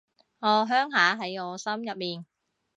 我鄉下喺我心入面